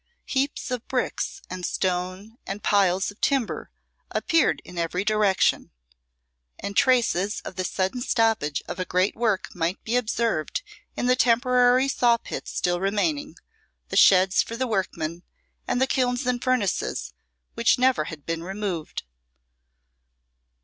Heaps of bricks and stone and piles of timber appeared in every direction; and traces of the sudden stoppage of a great work might be observed in the temporary saw pits still remaining, the sheds for the workmen, and the kilns and furnaces, which never had been removed.